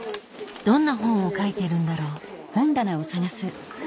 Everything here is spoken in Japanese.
どんな本を描いてるんだろう？